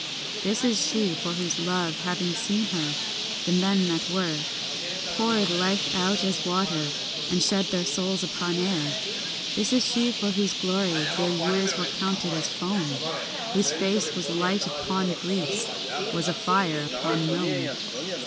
This is she for whose love, having seen her, the men that were Poured life out as water, and shed their souls upon air. This is she for whose glory their years were counted as foam; Whose face was a light upon Greece, was a fire upon Rome.